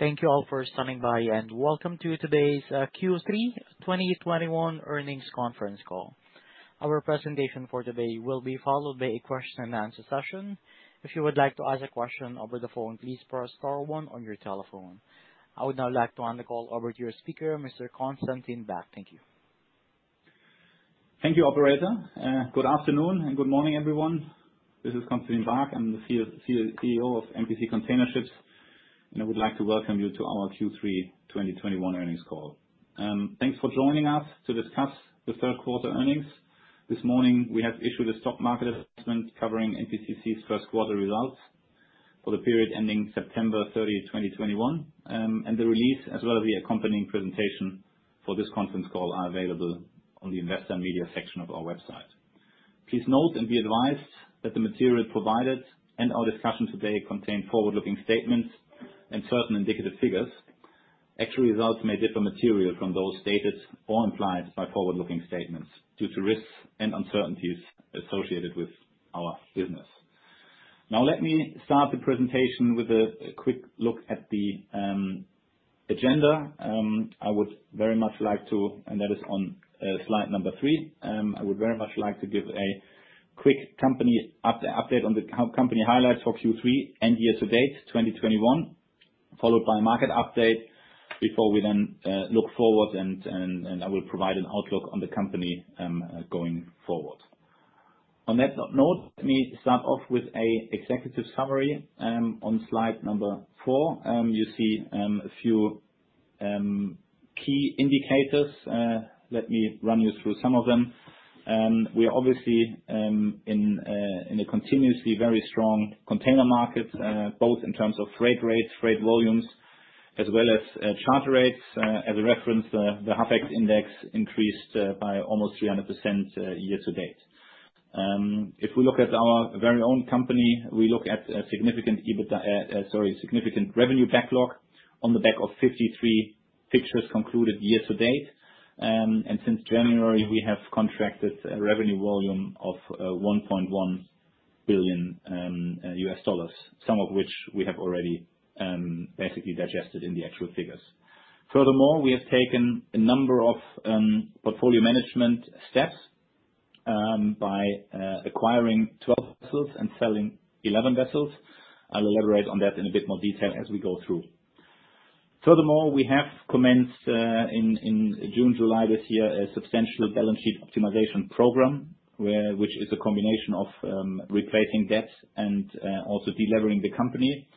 Thank you all for standing by, and welcome to today's Q3 2021 Earnings Conference Call. Our presentation for today will be followed by a question and answer session. If you would like to ask a question over the phone, please press star one on your telephone. I would now like to hand the call over to your speaker, Mr. Constantin Baack. Thank you. Thank you, operator. Good afternoon and good morning, everyone. This is Constantin Baack. I'm the CEO of MPC Container Ships, and I would like to welcome you to our Q3 2021 earnings call. Thanks for joining us to discuss the third quarter earnings. This morning, we have issued a stock market assessment covering MPCC's third quarter results for the period ending September 30, 2021. The release, as well as the accompanying presentation for this conference call, are available on the investor and media section of our website. Please note and be advised that the material provided and our discussion today contain forward-looking statements and certain indicative figures. Actual results may differ materially from those stated or implied by forward-looking statements due to risks and uncertainties associated with our business. Now let me start the presentation with a quick look at the agenda. That is on Slide 3. I would very much like to give a quick company update on the company highlights for Q3 and year to date, 2021, followed by market update before we then look forward and I will provide an outlook on the company going forward. On that note, let me start off with an executive summary. On Slide 4, you see a few key indicators. Let me run you through some of them. We are obviously in a continuously very strong container market both in terms of freight rates, freight volumes, as well as charter rates. As a reference, the Harpex index increased by almost 300% year to date. If we look at our very own company, we look at a significant revenue backlog on the back of 53 fixtures concluded year to date. Since January, we have contracted a revenue volume of $1.1 billion, some of which we have already basically digested in the actual figures. Furthermore, we have taken a number of portfolio management steps by acquiring 12 vessels and selling 11 vessels. I'll elaborate on that in a bit more detail as we go through. Furthermore, we have commenced in June, July this year, a substantial balance sheet optimization program which is a combination of replacing debts and also de-levering the company.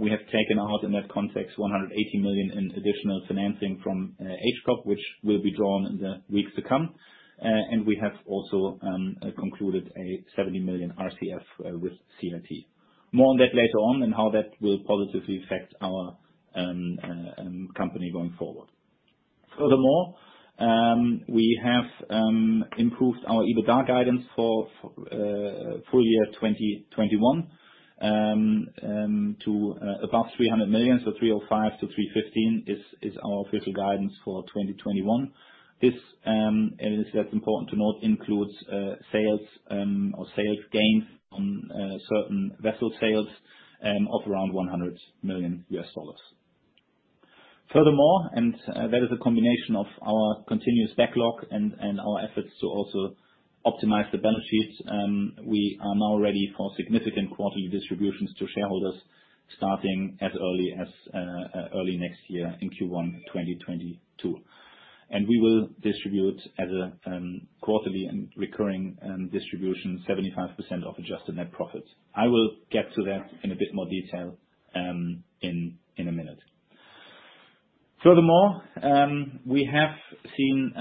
We have taken out in that context $180 million in additional financing from Hamburg Commercial Bank, which will be drawn in the weeks to come. We have also concluded a $70 million RCF with CIT Group. More on that later on and how that will positively affect our company going forward. Furthermore, we have improved our EBITDA guidance for full year 2021 to above $300 million. $305 million-$315 million is our official guidance for 2021. This, and this is important to note, includes sales or sales gains on certain vessel sales of around $100 million. Furthermore, that is a combination of our continuous backlog and our efforts to also optimize the balance sheets. We are now ready for significant quarterly distributions to shareholders starting as early as early next year in Q1 2022. We will distribute as a quarterly and recurring distribution 75% of adjusted net profits. I will get to that in a bit more detail in a minute. Furthermore, we have seen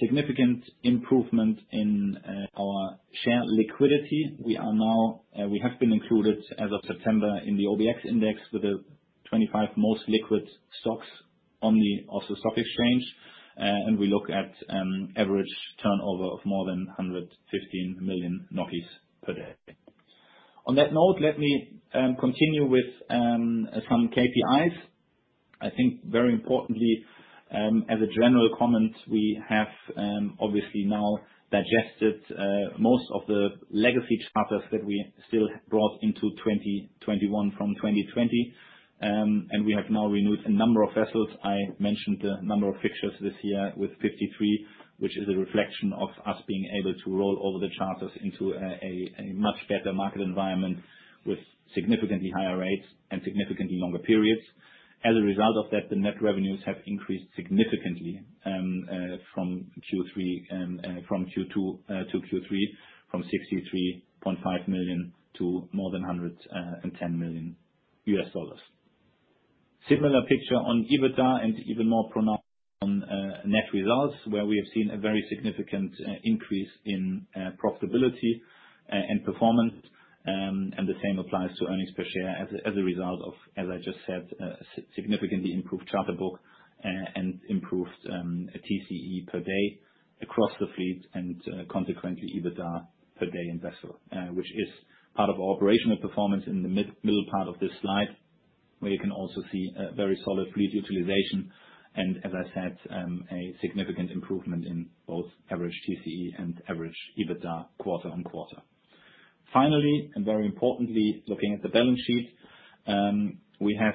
significant improvement in our share liquidity. We have been included as of September in the OBX index with the 25 most liquid stocks on the Oslo Stock Exchange. We look at average turnover of more than 115 million per day. On that note, let me continue with some KPIs. I think very importantly, as a general comment, we have obviously now digested most of the legacy charters that we still brought into 2021 from 2020. We have now renewed a number of vessels. I mentioned a number of fixtures this year with 53, which is a reflection of us being able to roll over the charters into a much better market environment with significantly higher rates and significantly longer periods. As a result of that, the net revenues have increased significantly from Q2 to Q3, from $63.5 million to more than $110 million. Similar picture on EBITDA and even more pronounced on net results, where we have seen a very significant increase in profitability and performance. The same applies to earnings per share as a result of, as I just said, a significantly improved charter book and improved TCE per day across the fleet and consequently EBITDA per day in vessel. Which is part of our operational performance in the middle part of this slide, where you can also see a very solid fleet utilization and, as I said, a significant improvement in both average TCE and average EBITDA quarter-on-quarter. Finally, and very importantly, looking at the balance sheet, we have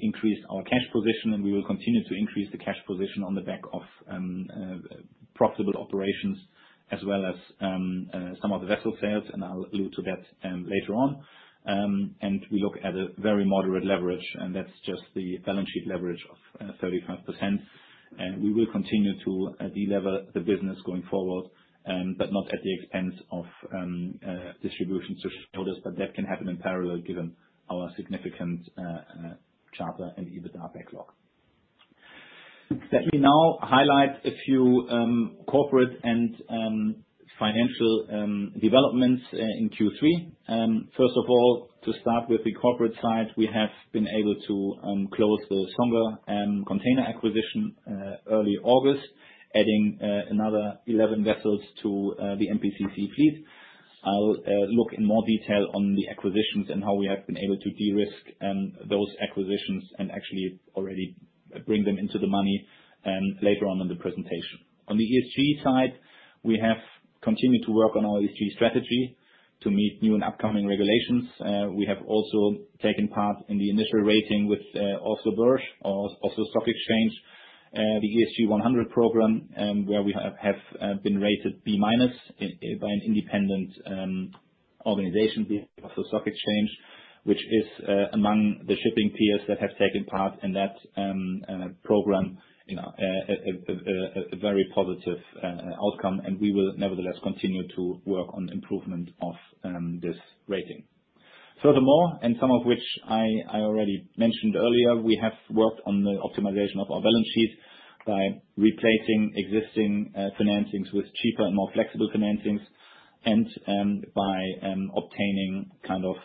increased our cash position, and we will continue to increase the cash position on the back of profitable operations, as well as some of the vessel sales, and I'll allude to that later on. We look at a very moderate leverage, and that's just the balance sheet leverage of 35%. We will continue to de-lever the business going forward, but not at the expense of distribution to shareholders, but that can happen in parallel given our significant charter and EBITDA backlog. Let me now highlight a few corporate and financial developments in Q3. First of all, to start with the corporate side, we have been able to close the Songa Container acquisition early August, adding another 11 vessels to the MPCC fleet. I'll look in more detail on the acquisitions and how we have been able to de-risk those acquisitions and actually already bring them into the money later on in the presentation. On the ESG side, we have continued to work on our ESG strategy to meet new and upcoming regulations. We have also taken part in the initial rating with Oslo Børs of the stock exchange, the ESG One Hundred program, where we have been rated B- by an independent organization of the stock exchange, which is among the shipping peers that have taken part in that program, you know, a very positive outcome. We will nevertheless continue to work on improvement of this rating. Furthermore, some of which I already mentioned earlier, we have worked on the optimization of our balance sheet by replacing existing financings with cheaper and more flexible financings and by obtaining kind of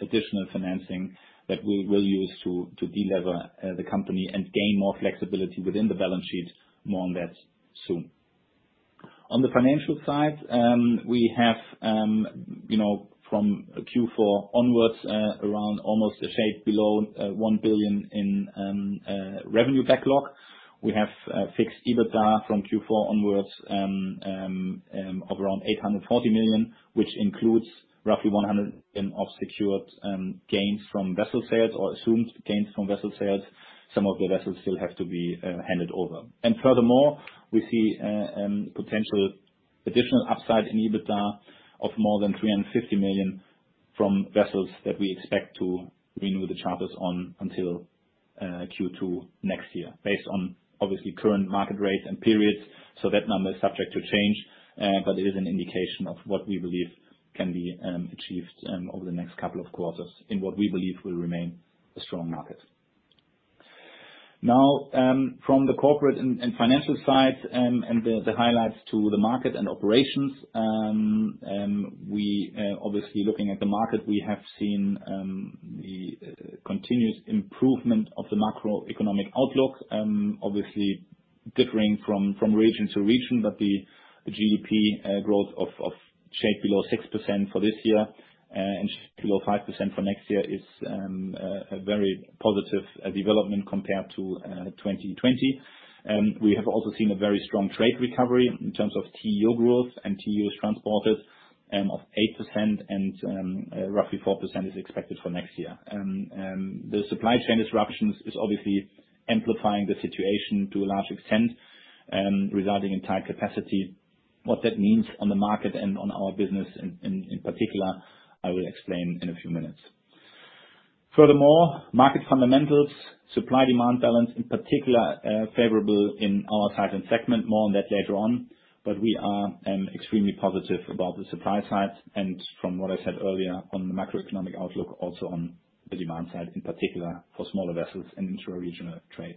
additional financing that we will use to de-lever the company and gain more flexibility within the balance sheet. More on that soon. On the financial side, we have, you know, from Q4 onwards, around almost a shade below $1 billion in revenue backlog. We have fixed EBITDA from Q4 onwards of around $840 million, which includes roughly $100 million of secured gains from vessel sales or assumed gains from vessel sales. Some of the vessels still have to be handed over. Furthermore, we see potential additional upside in EBITDA of more than $350 million from vessels that we expect to renew the charters on until Q2 next year, based on obviously current market rates and periods. That number is subject to change, but it is an indication of what we believe can be achieved over the next couple of quarters in what we believe will remain a strong market. Now, from the corporate and financial side and the highlights to the market and operations, we are obviously looking at the market. We have seen the continuous improvement of the macroeconomic outlook, obviously differing from region to region. The GDP growth of a shade below 6% for this year and below 5% for next year is a very positive development compared to 2020. We have also seen a very strong trade recovery in terms of TEU growth and TEUs transported of 8% and roughly 4% is expected for next year. The supply chain disruptions is obviously amplifying the situation to a large extent, resulting in tight capacity. What that means on the market and on our business in particular, I will explain in a few minutes. Furthermore, market fundamentals, supply-demand balance in particular, favorable in our size and segment. More on that later on, but we are extremely positive about the supply side and from what I said earlier on the macroeconomic outlook, also on the demand side, in particular for smaller vessels and intra-regional trade.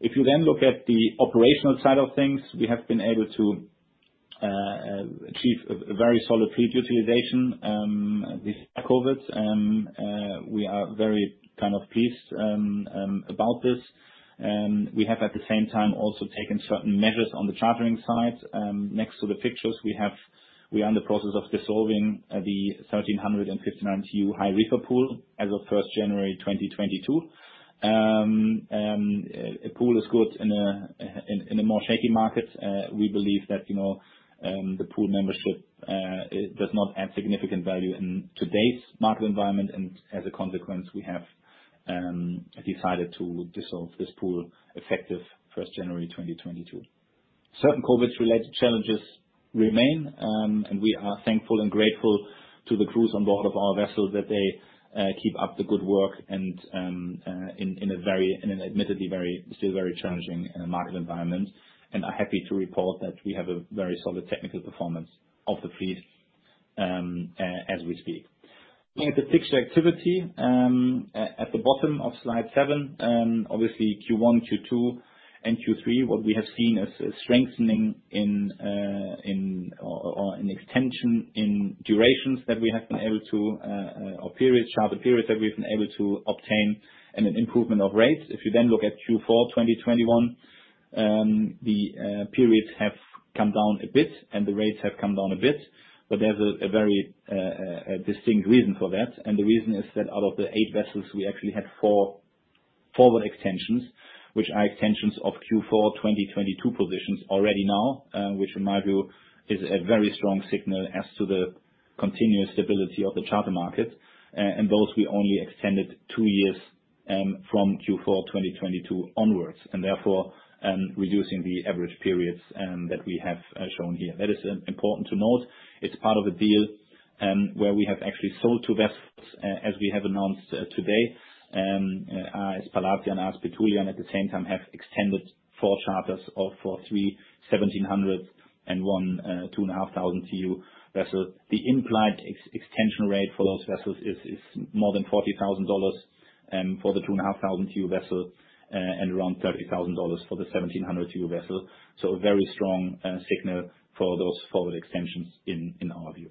If you then look at the operational side of things, we have been able to achieve a very solid fleet utilization despite COVID-19. We are very kind of pleased about this. We have, at the same time, also taken certain measures on the chartering side. Next to the fixtures we have, we are in the process of dissolving the 1,359 TEU High Reefer Pool as of January 1, 2022. A pool is good in a more shaky market. We believe that, you know, the pool membership, it does not add significant value in today's market environment, and as a consequence, we have decided to dissolve this pool effective January 1, 2022. Certain COVID-19 related challenges remain, and we are thankful and grateful to the crews on board of our vessels that they keep up the good work and in an admittedly very, still very challenging market environment, and are happy to report that we have a very solid technical performance of the fleet as we speak. Looking at the fixture activity, at the bottom of slide seven, obviously Q1, Q2 and Q3, what we have seen is a strengthening in or an extension in durations that we have been able to or periods, charter periods that we've been able to obtain and an improvement of rates. If you then look at Q4 2021, the periods have come down a bit and the rates have come down a bit, but there's a very distinct reason for that. The reason is that out of the eight vessels, we actually had four forward extensions, which are extensions of Q4 2022 positions already now, which in my view is a very strong signal as to the continuous stability of the charter market. Those we only extended two years from Q4 2022 onwards, therefore reducing the average periods that we have shown here. That is important to note. It's part of a deal where we have actually sold two vessels, as we have announced today, AS Palatia and AS Petulia, and at the same time have extended four charters for three 1,700-TEU and one 2,500-TEU vessel. The implied extension rate for those vessels is more than $40,000 for the 2,500-TEU vessel and around $30,000 for the 1,700-TEU vessel, so a very strong signal for those forward extensions in our view.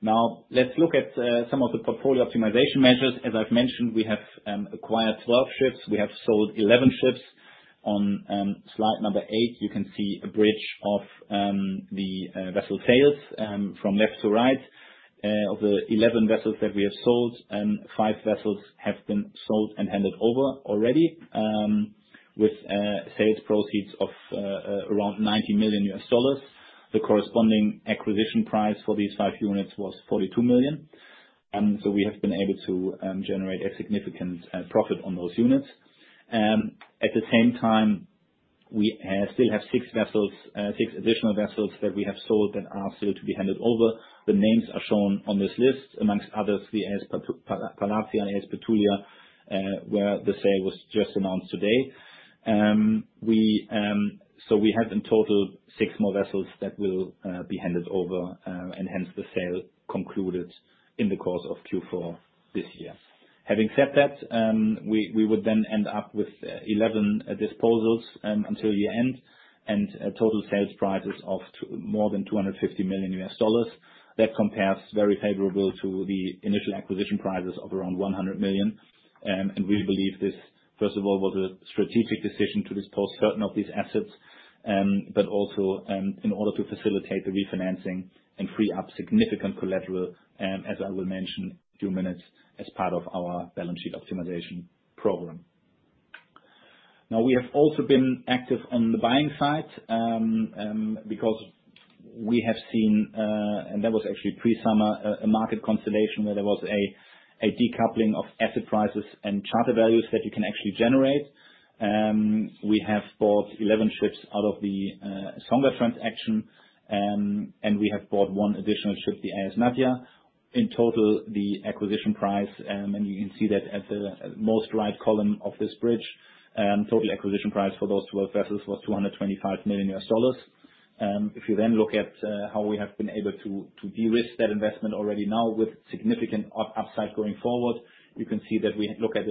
Now, let's look at some of the portfolio optimization measures. As I've mentioned, we have acquired 12 ships. We have sold 11 ships. On Slide 8, you can see a bridge of the vessel sales from left to right. Of the 11 vessels that we have sold, five vessels have been sold and handed over already with sales proceeds of around $90 million. The corresponding acquisition price for these five units was $42 million, so we have been able to generate a significant profit on those units. At the same time, we still have six vessels, six additional vessels that we have sold and are still to be handed over. The names are shown on this list, amongst others, the AS Palatia and AS Petulia, where the sale was just announced today. We have in total six more vessels that will be handed over and hence the sale concluded in the course of Q4 this year. Having said that, we would then end up with 11 disposals until year-end, and total sales prices of more than $250 million. That compares very favorable to the initial acquisition prices of around $100 million. We believe this, first of all, was a strategic decision to dispose certain of these assets, but also, in order to facilitate the refinancing and free up significant collateral, as I will mention in a few minutes as part of our balance sheet optimization program. Now, we have also been active on the buying side, because we have seen, and that was actually pre-summer, a market constellation where there was a decoupling of asset prices and charter values that you can actually generate. We have bought 11 ships out of the Songa transaction, and we have bought one additional ship, the AS Nadia. In total, the acquisition price, and you can see that at the most right column of this bridge, total acquisition price for those 12 vessels was $225 million. If you then look at how we have been able to de-risk that investment already now with significant upside going forward, you can see that we look at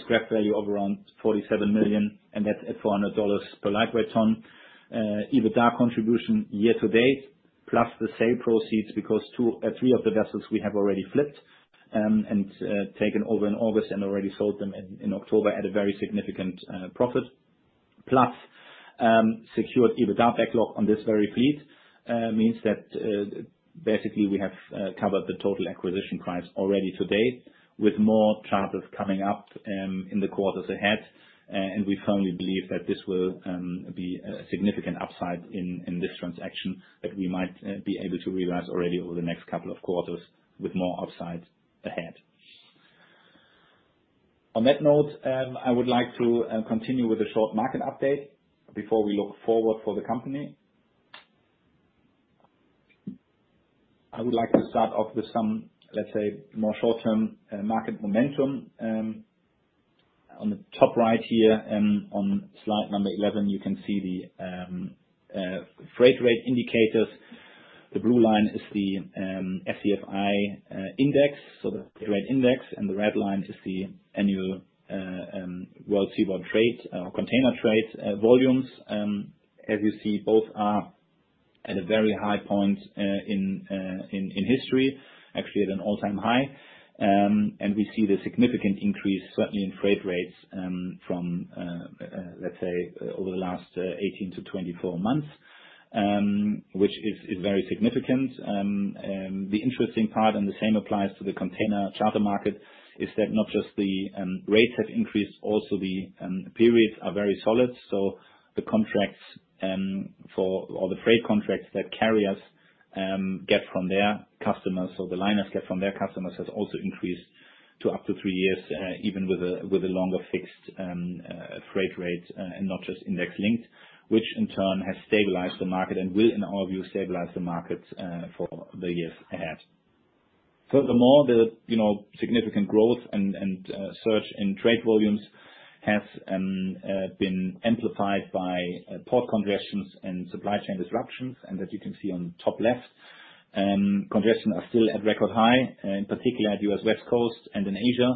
scrap value of around $47 million, and that's at $400 per lightweight ton. EBITDA contribution year to date, plus the sale proceeds, because two, three of the vessels we have already flipped and taken over in August and already sold them in October at a very significant profit. Plus, secured EBITDA backlog on this very fleet means that basically we have covered the total acquisition price already to date with more charters coming up in the quarters ahead. We firmly believe that this will be a significant upside in this transaction that we might be able to realize already over the next couple of quarters with more upside ahead. On that note, I would like to continue with a short market update before we look forward for the company. I would like to start off with some, let's say, more short-term market momentum. On the top right here, on Slide 11, you can see the freight rate indicators. The blue line is the SCFI index, so the freight index, and the red line is the annual World Seaborne Trade container trade volumes. As you see, both are at a very high point in history, actually at an all-time high. We see the significant increase certainly in freight rates from let's say over the last 18-24 months, which is very significant. The interesting part, and the same applies to the container charter market, is that not just the rates have increased, also the periods are very solid. The contracts for all the freight contracts that carriers get from their customers, so the liners get from their customers, has also increased to up to three years, even with a longer fixed freight rate, and not just index linked. Which in turn has stabilized the market and will, in our view, stabilize the market for the years ahead. Furthermore, the, you know, significant growth and surge in trade volumes has been amplified by port congestions and supply chain disruptions, and that you can see on top left. Congestion are still at record high, in particular U.S. West Coast and in Asia.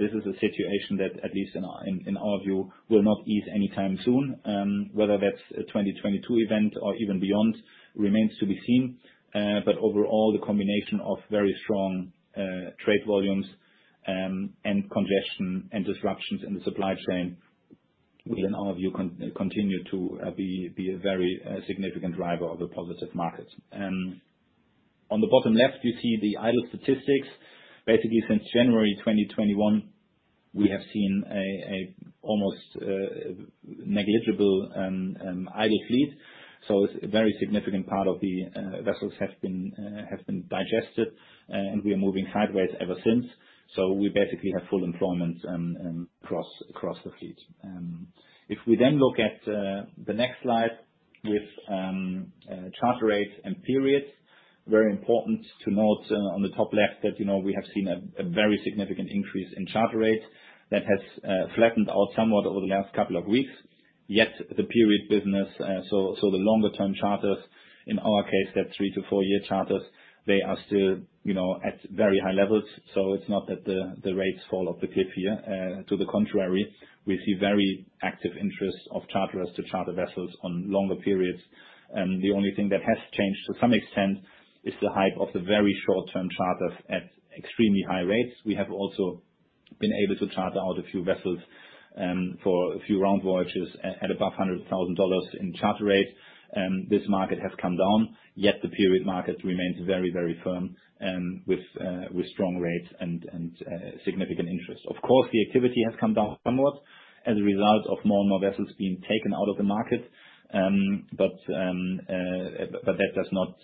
This is a situation that, at least in our view, will not ease anytime soon. Whether that's a 2022 event or even beyond remains to be seen. Overall, the combination of very strong trade volumes and congestion and disruptions in the supply chain, in our view, continue to be a very significant driver of the positive markets. On the bottom left, you see the idle statistics. Basically, since January 2021, we have seen almost negligible idle fleet, so it's a very significant part of the vessels have been digested, and we are moving sideways ever since, so we basically have full employment across the fleet. If we look at the next slide with charter rates and periods, very important to note on the top left that, you know, we have seen a very significant increase in charter rates that has flattened out somewhat over the last couple of weeks. Yet the period business, so the longer term charters, in our case, they're three- to four-year charters, they are still, you know, at very high levels, so it's not that the rates fall off the cliff here. To the contrary, we see very active interest of charterers to charter vessels on longer periods. The only thing that has changed, to some extent, is the height of the very short-term charters at extremely high rates. We have also been able to charter out a few vessels for a few round voyages at above $100,000 in charter rates. This market has come down, yet the period market remains very firm with strong rates and significant interest. Of course, the activity has come down somewhat as a result of more and more vessels being taken out of the market. That does not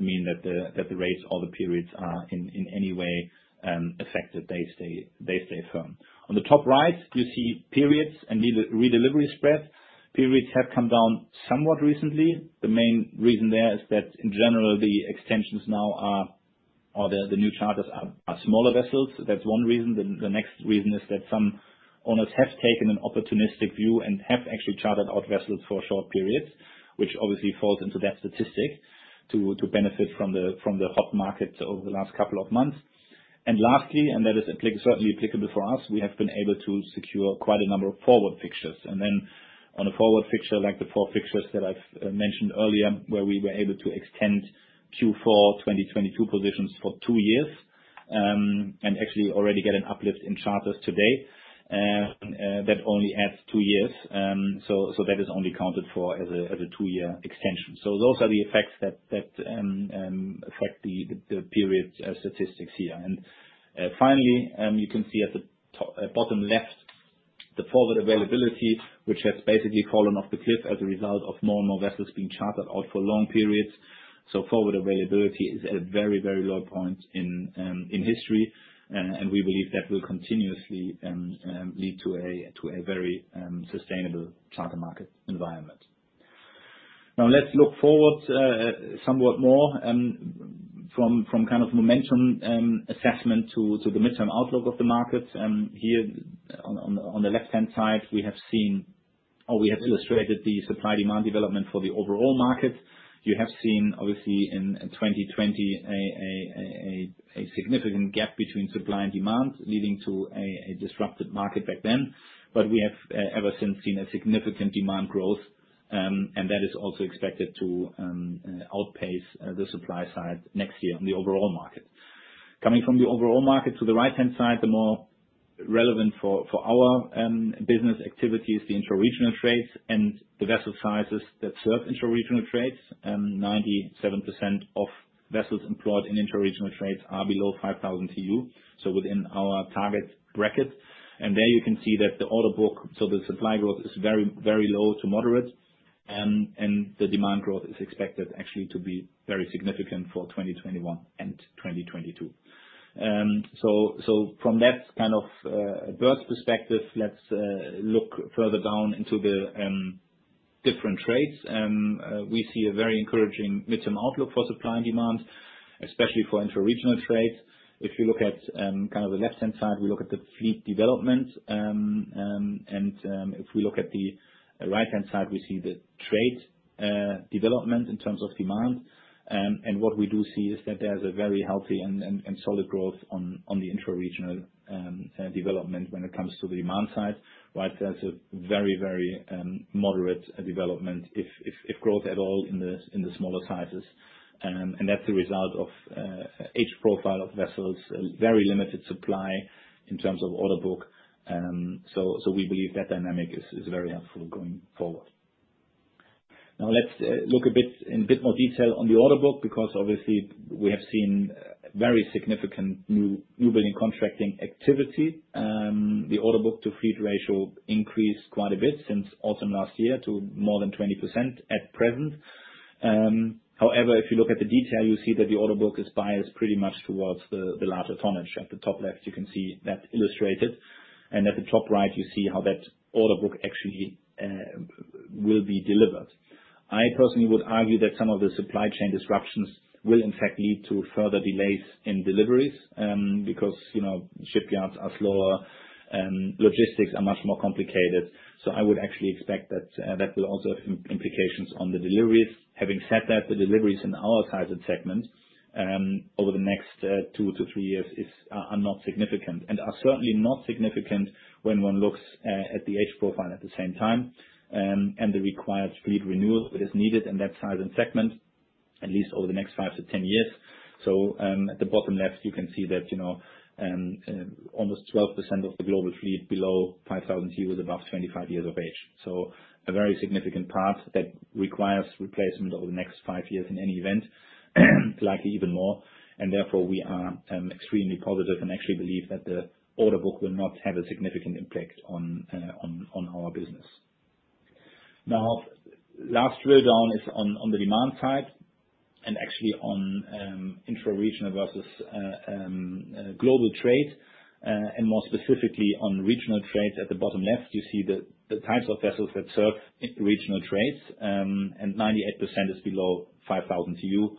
mean that the rates or the periods are in any way affected. They stay firm. On the top right, you see periods and redelivery spread. Periods have come down somewhat recently. The main reason there is that, in general, the extensions now are or the new charters are smaller vessels. That's one reason. The next reason is that some owners have taken an opportunistic view and have actually chartered out vessels for short periods, which obviously falls into that statistic, to benefit from the hot markets over the last couple of months. Lastly, that is certainly applicable for us, we have been able to secure quite a number of forward fixtures. On a forward fixture, like the four fixtures that I've mentioned earlier, where we were able to extend Q4 2022 positions for two years, and actually already get an uplift in charters today, that only adds two years. That is only accounted for as a two-year extension. Those are the effects that affect the period statistics here. Finally, you can see at the top, bottom left, the forward availability, which has basically fallen off the cliff as a result of more and more vessels being chartered out for long periods. Forward availability is at a very, very low point in history. We believe that will continuously lead to a very sustainable charter market environment. Now let's look forward, somewhat more, from kind of momentum assessment to the midterm outlook of the market. Here on the left-hand side, we have seen, or we have illustrated the supply/demand development for the overall market. You have seen, obviously, in 2020 a significant gap between supply and demand, leading to a disrupted market back then. We have ever since seen a significant demand growth, and that is also expected to outpace the supply side next year in the overall market. Coming from the overall market to the right-hand side, the more relevant for our business activity is the intra-regional trades and the vessel sizes that serve intra-regional trades. 97% of vessels employed in intra-regional trades are below 5,000 TEU, so within our target bracket. There you can see that the order book, so the supply growth is very, very low to moderate, and the demand growth is expected actually to be very significant for 2021 and 2022. So from that kind of bird's perspective, let's look further down into the different trades. We see a very encouraging midterm outlook for supply and demand, especially for intra-regional trades. If you look at kind of the left-hand side, we look at the fleet development. If we look at the right-hand side, we see the trade development in terms of demand. What we do see is that there's a very healthy and solid growth on the intra-regional development when it comes to the demand side. While there's a very moderate development, if growth at all in the smaller sizes. That's a result of age profile of vessels, very limited supply in terms of order book. We believe that dynamic is very helpful going forward. Now let's look a bit in a bit more detail on the order book, because obviously we have seen very significant new building contracting activity. The order book to fleet ratio increased quite a bit since autumn last year to more than 20% at present. However, if you look at the detail, you see that the order book is biased pretty much towards the larger tonnage. At the top left, you can see that illustrated, and at the top right, you see how that order book actually will be delivered. I personally would argue that some of the supply chain disruptions will in fact lead to further delays in deliveries, because you know, shipyards are slower, logistics are much more complicated. I would actually expect that that will also have implications on the deliveries. Having said that, the deliveries in our size and segment over the next two to three years are not significant and are certainly not significant when one looks at the age profile at the same time and the required fleet renewal that is needed in that size and segment, at least over the next five to 10 years. At the bottom left, you can see that, you know, almost 12% of the global fleet below 5,000 TEUs above 25 years of age, a very significant part that requires replacement over the next five years in any event, likely even more. Therefore, we are extremely positive and actually believe that the order book will not have a significant impact on our business. Now, last drill down is on the demand side and actually on intra-regional versus global trade, and more specifically on regional trade. At the bottom left, you see the types of vessels that serve regional trades, and 98% is below 5,000 TEU.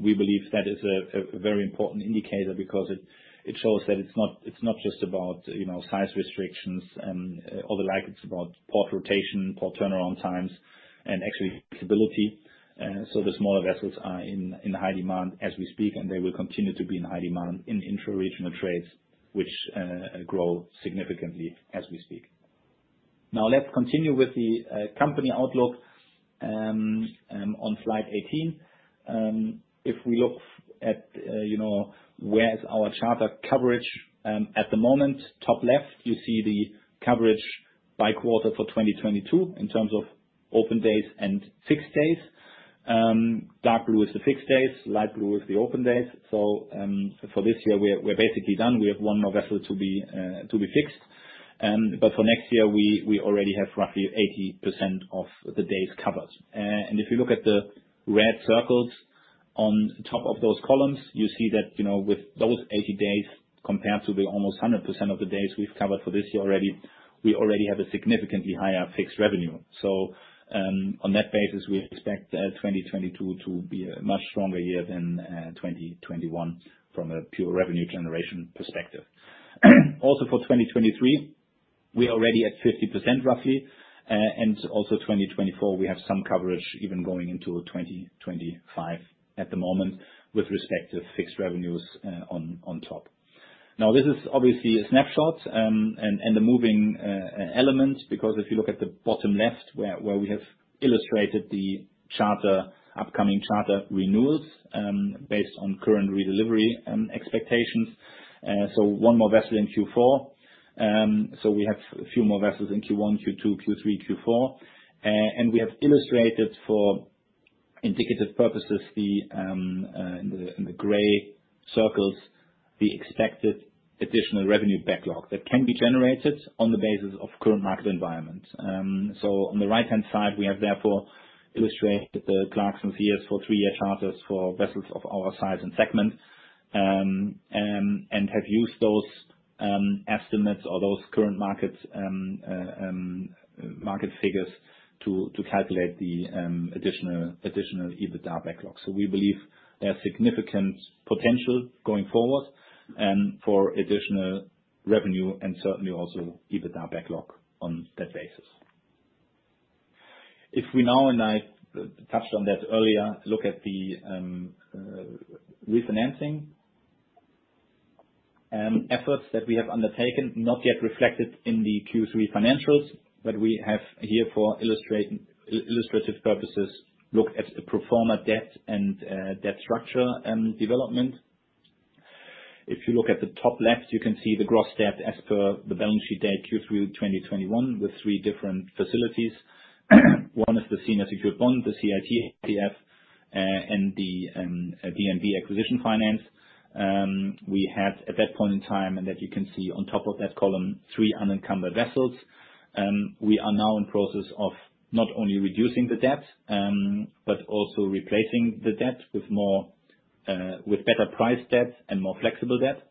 We believe that is a very important indicator because it shows that it's not just about, you know, size restrictions and all the like. It's about port rotation, port turnaround times and actually flexibility. So the smaller vessels are in high demand as we speak, and they will continue to be in high demand in intra-regional trades, which grow significantly as we speak. Now, let's continue with the company outlook on slide 18. If we look at, you know, where is our charter coverage at the moment, top left, you see the coverage by quarter for 2022 in terms of open days and fixed days. Dark blue is the fixed days, light blue is the open days. For this year, we're basically done. We have one more vessel to be fixed. But for next year, we already have roughly 80% of the days covered. If you look at the red circles on top of those columns, you see that, you know, with those 80 days compared to the almost 100% of the days we've covered for this year already, we already have a significantly higher fixed revenue. On that basis, we expect 2022 to be a much stronger year than 2021 from a pure revenue generation perspective. Also, for 2023, we are already at 50% roughly, and also 2024, we have some coverage even going into 2025 at the moment with respect to fixed revenues on top. Now, this is obviously a snapshot and a moving element, because if you look at the bottom left, where we have illustrated the charter, upcoming charter renewals based on current redelivery expectations. One more vessel in Q4. We have a few more vessels in Q1 to Q4. We have illustrated for indicative purposes in the gray circles the expected additional revenue backlog that can be generated on the basis of current market environment. On the right-hand side, we have therefore illustrated the Clarksons rates for three-year charters for vessels of our size and segment, and have used those estimates or those current market figures to calculate the additional EBITDA backlog. We believe there are significant potential going forward for additional revenue and certainly also EBITDA backlog on that basis. If we now, and I touched on that earlier, look at the refinancing efforts that we have undertaken, not yet reflected in the Q3 financials, but we have here for illustrative purposes, looked at the pro forma debt and debt structure development. If you look at the top left, you can see the gross debt as per the balance sheet date Q3 2021, with three different facilities. One is the senior secured bond, the CIT RCF, and the DNB acquisition finance. We had, at that point in time, and that you can see on top of that column, three unencumbered vessels. We are now in process of not only reducing the debt, but also replacing the debt with more, with better priced debt and more flexible debt.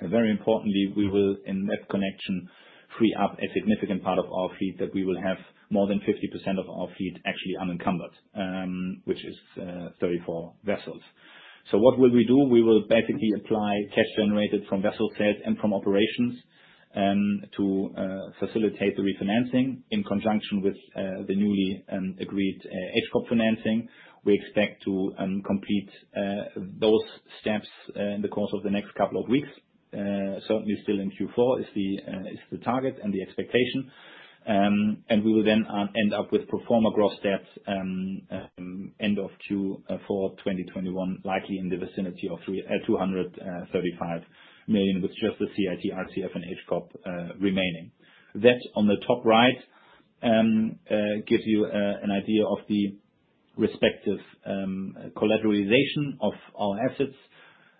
Very importantly, we will, in that connection, free up a significant part of our fleet, that we will have more than 50% of our fleet actually unencumbered, which is 34 vessels. What will we do? We will basically apply cash generated from vessel sales and from operations to facilitate the refinancing in conjunction with the newly agreed Hamburg Commercial Bank. We expect to complete those steps in the course of the next couple of weeks. Certainly still in Q4 is the target and the expectation. We will then end up with pro forma gross debt end of Q4 2021, likely in the vicinity of $325 million, with just the CIT, RCF, and Hamburg Commercial Bank remaining. That, on the top right, gives you an idea of the respective collateralization of our assets.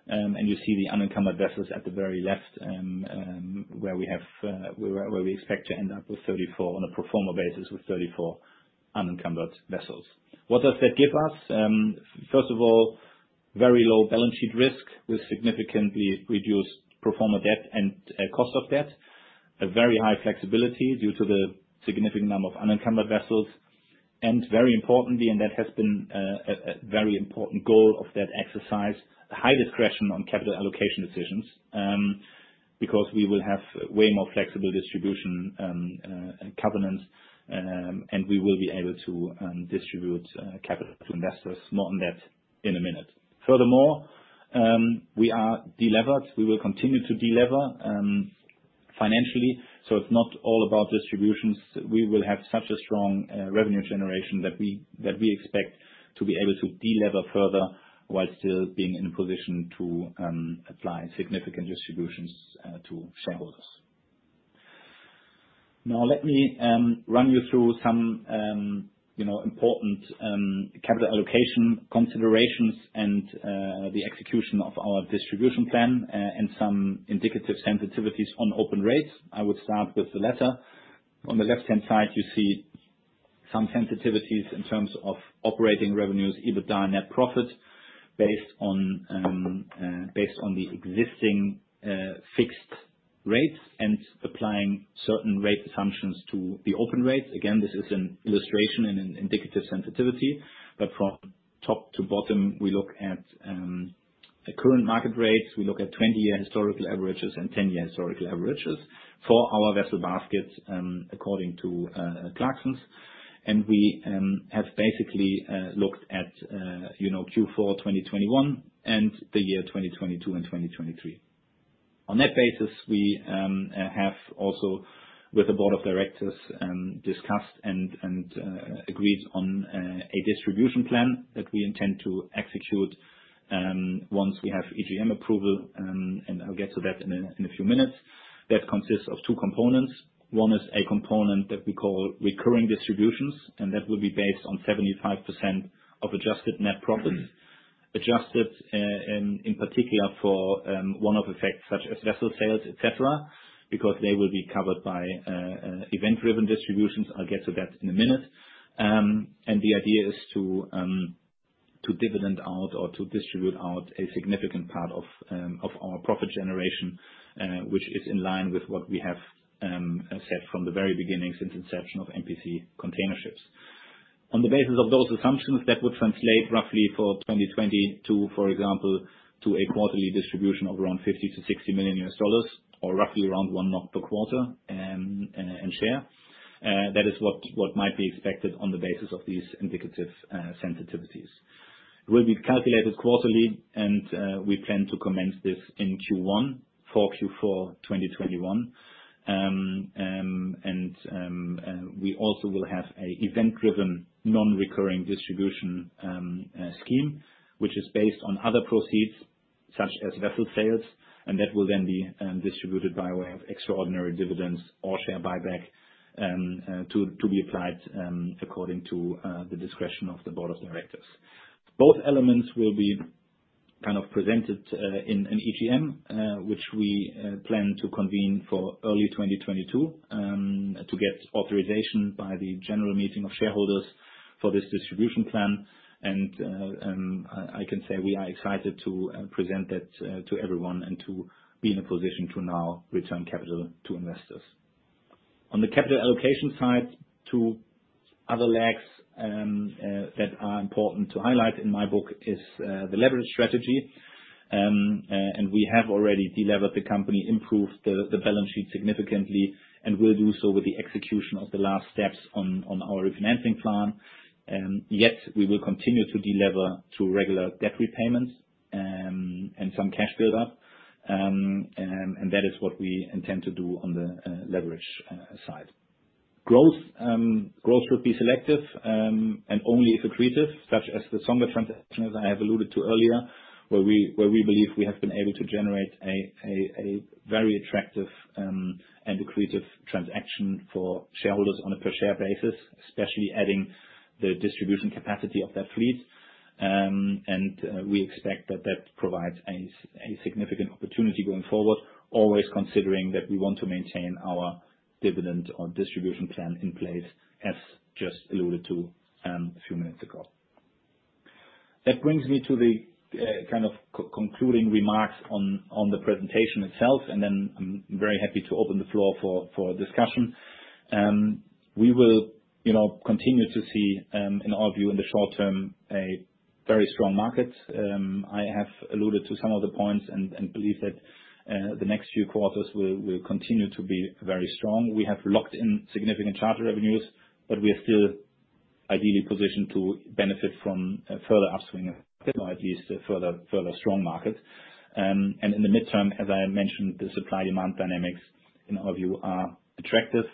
You see the unencumbered vessels at the very left, where we expect to end up with 34, on a pro forma basis, with 34 unencumbered vessels. What does that give us? First of all, very low balance sheet risk with significantly reduced pro forma debt and cost of debt. A very high flexibility due to the significant number of unencumbered vessels. Very importantly, that has been a very important goal of that exercise, high discretion on capital allocation decisions, because we will have way more flexible distribution covenants, and we will be able to distribute capital to investors. More on that in a minute. Furthermore, we are delevered. We will continue to delever financially, so it's not all about distributions. We will have such a strong revenue generation that we expect to be able to delever further while still being in a position to apply significant distributions to shareholders. Now, let me run you through some you know important capital allocation considerations and the execution of our distribution plan and some indicative sensitivities on open rates. I will start with the latter. On the left-hand side, you see some sensitivities in terms of operating revenues, EBITDA, net profit based on the existing fixed rates and applying certain rate assumptions to the open rates. Again, this is an illustration and an indicative sensitivity, but from top to bottom, we look at the current market rates. We look at 20-year historical averages and 10-year historical averages for our vessel baskets, according to Clarksons. We have basically looked at you know Q4 2021 and the year 2022 and 2023. On that basis, we have also, with the board of directors, discussed and agreed on a distribution plan that we intend to execute once we have EGM approval, and I'll get to that in a few minutes. That consists of two components. One is a component that we call recurring distributions, and that will be based on 75% of adjusted net profit. Adjusted in particular for one-off effects such as vessel sales, et cetera, because they will be covered by event-driven distributions. I'll get to that in a minute. The idea is to dividend out or to distribute out a significant part of our profit generation, which is in line with what we have set from the very beginning since inception of MPC Container Ships. On the basis of those assumptions, that would translate roughly for 2022, for example, to a quarterly distribution of around $50 million-$60 million or roughly around 1 mark per quarter and share. That is what might be expected on the basis of these indicative sensitivities. It will be calculated quarterly and we plan to commence this in Q1 for Q4 2021. We also will have an event-driven non-recurring distribution scheme, which is based on other proceeds such as vessel sales, and that will then be distributed by way of extraordinary dividends or share buyback, to be applied according to the discretion of the board of directors. Both elements will be kind of presented in an EGM, which we plan to convene for early 2022, to get authorization by the general meeting of shareholders for this distribution plan. I can say we are excited to present it to everyone and to be in a position to now return capital to investors. On the capital allocation side, two other legs that are important to highlight in my book is the leverage strategy. We have already delevered the company, improved the balance sheet significantly, and we'll do so with the execution of the last steps on our refinancing plan. Yet we will continue to delever through regular debt repayments and some cash build-up. That is what we intend to do on the leverage side. Growth will be selective and only accretive, such as the Songa transaction, as I have alluded to earlier, where we believe we have been able to generate a very attractive and accretive transaction for shareholders on a per share basis, especially adding the distribution capacity of that fleet. We expect that provides a significant opportunity going forward, always considering that we want to maintain our dividend or distribution plan in place, as just alluded to a few minutes ago. That brings me to the kind of concluding remarks on the presentation itself, and then I'm very happy to open the floor for discussion. We will, you know, continue to see, in our view in the short term, a very strong market. I have alluded to some of the points and believe that the next few quarters will continue to be very strong. We have locked in significant charter revenues, but we are still ideally positioned to benefit from a further upswing of ideas to further strong markets. In the midterm, as I mentioned, the supply-demand dynamics in our view are attractive,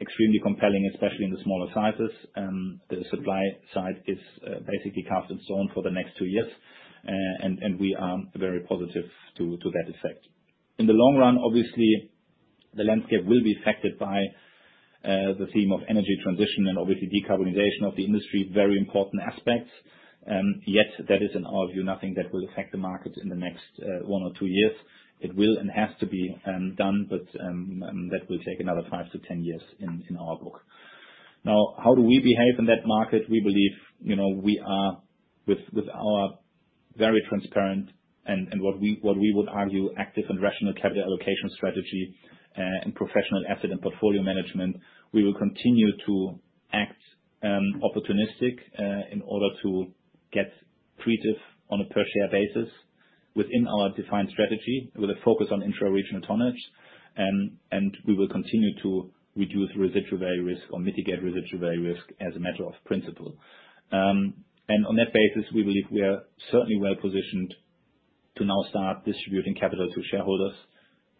extremely compelling, especially in the smaller sizes. The supply side is basically cast in stone for the next two years. We are very positive to that effect. In the long run, obviously the landscape will be affected by the theme of energy transition and obviously decarbonization of the industry, very important aspects. Yet that is, in our view, nothing that will affect the market in the next one or two years. It will and has to be done, but that will take another five to 10 years in our book. Now, how do we behave in that market? We believe, you know, we are with our very transparent and what we would argue, active and rational capital allocation strategy, and professional asset and portfolio management, we will continue to act, opportunistic, in order to get accretive on a per share basis within our defined strategy with a focus on intra-regional tonnage. We will continue to reduce residual value risk or mitigate residual value risk as a matter of principle. On that basis, we believe we are certainly well positioned to now start distributing capital to shareholders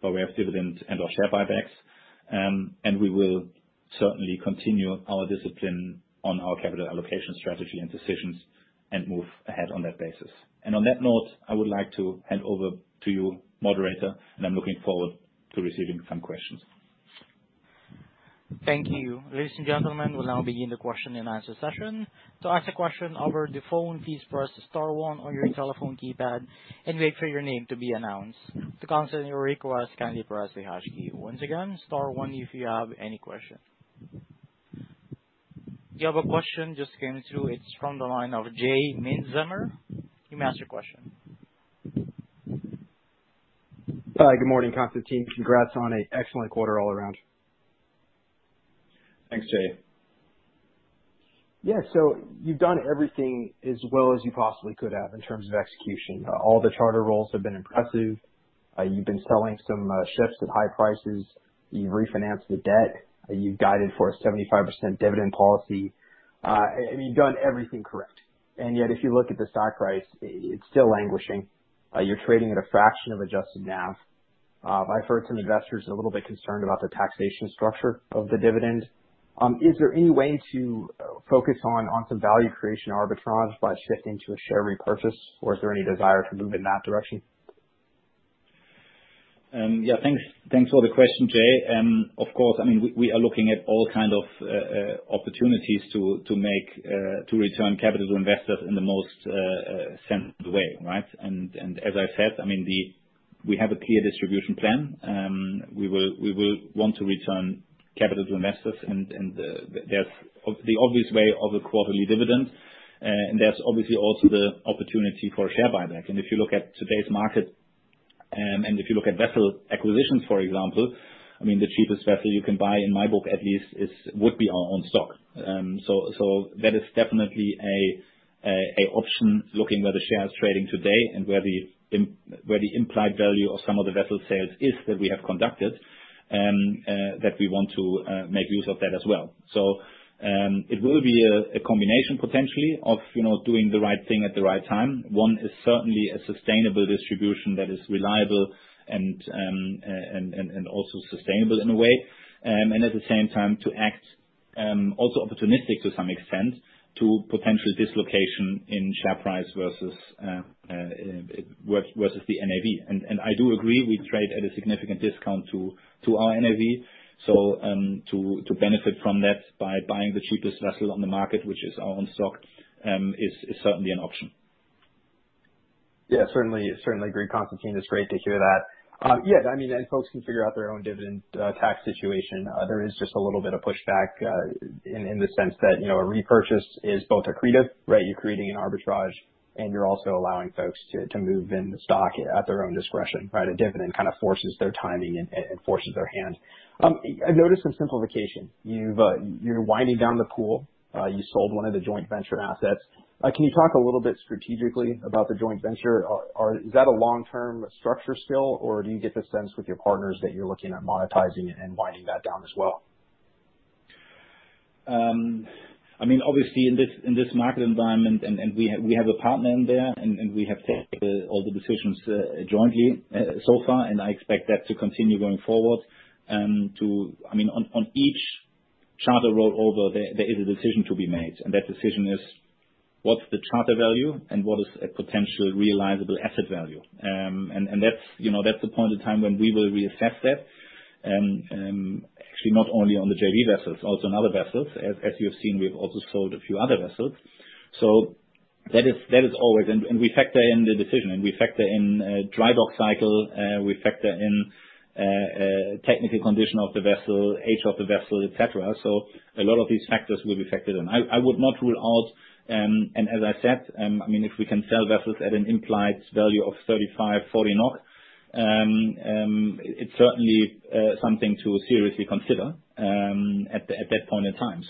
by way of dividends and/or share buybacks. We will certainly continue our discipline on our capital allocation strategy and decisions and move ahead on that basis. On that note, I would like to hand over to you, moderator, and I'm looking forward to receiving some questions. Thank you. Ladies and gentlemen, we'll now begin the question and answer session. To ask a question over the phone, please press star one on your telephone keypad and wait for your name to be announced. To cancel your request, kindly press the hash key. Once again, star one if you have any questions. We have a question just came through. It's from the line of J. Mintzmyer. You may ask your question. Hi, good morning, Constantin Baack. Congrats on an excellent quarter all around. Thanks, Jay. Yeah. You've done everything as well as you possibly could have in terms of execution. All the charter rolls have been impressive. You've been selling some ships at high prices. You've refinanced the debt. You've guided for a 75% dividend policy. I mean, you've done everything correct, and yet if you look at the stock price, it's still languishing. You're trading at a fraction of adjusted NAV. I've heard some investors a little bit concerned about the taxation structure of the dividend. Is there any way to focus on some value creation arbitrage by shifting to a share repurchase, or is there any desire to move in that direction? Yeah. Thanks for the question, Jay. Of course, I mean, we are looking at all kinds of opportunities to return capital to investors in the most sensible way, right? As I said, I mean, we have a clear distribution plan. We will want to return capital to investors and there's the obvious way of a quarterly dividend, and there's obviously also the opportunity for share buyback. If you look at today's market, and if you look at vessel acquisitions, for example, I mean, the cheapest vessel you can buy in my book at least would be our own stock. That is definitely an option looking at where the share is trading today and where the implied value of some of the vessel sales is that we have conducted, that we want to make use of that as well. It will be a combination potentially of, you know, doing the right thing at the right time. One is certainly a sustainable distribution that is reliable and also sustainable in a way. At the same time to act also opportunistic to some extent to potential dislocation in share price versus the NAV. I do agree we trade at a significant discount to our NAV. To benefit from that by buying the cheapest vessel on the market, which is our own stock, is certainly an option. Yeah, certainly agree, Constantin. It's great to hear that. Folks can figure out their own dividend tax situation. There is just a little bit of pushback in the sense that, you know, a repurchase is both accretive, right? You're creating an arbitrage, and you're also allowing folks to move in the stock at their own discretion, right? A dividend kind of forces their timing and forces their hand. I noticed some simplification. You're winding down the pool. You sold one of the joint venture assets. Can you talk a little bit strategically about the joint venture? Is that a long-term structure still, or do you get the sense with your partners that you're looking at monetizing and winding that down as well? I mean, obviously, in this market environment and we have a partner in there and we have taken all the decisions jointly so far, and I expect that to continue going forward. I mean, on each charter rollover, there is a decision to be made, and that decision is what's the charter value and what is a potential realizable asset value? That's, you know, the point in time when we will reassess that. Actually, not only on the JV vessels, also on other vessels. As you have seen, we have also sold a few other vessels. That is always. We factor in the decision, a dry dock cycle, technical condition of the vessel, age of the vessel, et cetera. A lot of these factors will be factored in. I would not rule out, and as I said, I mean, if we can sell vessels at an implied value of 35-40, it's certainly something to seriously consider at that point in time.